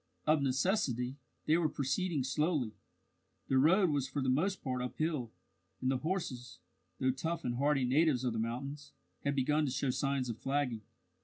Of necessity, they were proceeding slowly the road was for the most part uphill, and the horses, though tough and hardy natives of the mountains, had begun to show signs of flagging.